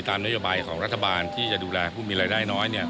นโยบายของรัฐบาลที่จะดูแลผู้มีรายได้น้อย